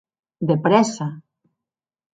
De prèssa!